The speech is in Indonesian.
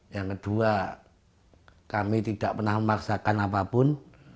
yang kedua kami tidak pernah memaksakan apapun